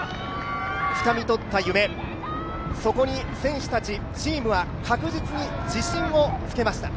つかみ取った夢、そこに選手たち、チームは確実に自信をつけました。